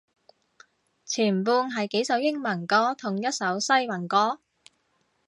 前半係幾首英文歌同一首西文歌